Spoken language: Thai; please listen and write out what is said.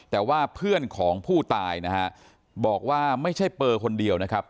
แต่ว่าเพื่อนของผู้ตายนะฮะบอกว่าไม่ใช่เปอร์คนเดียวนะครับ